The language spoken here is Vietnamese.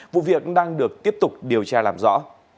vụ việc đang được tiếp tục điều tra làm rõ